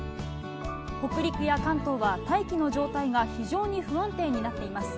北陸や関東は、大気の状態が非常に不安定になっています。